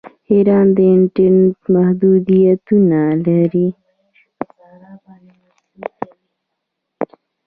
ایران د انټرنیټ محدودیتونه لري.